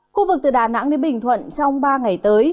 khu vực từ đà nẵng đến bình thuận trong ba ngày tới